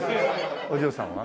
お嬢さんは？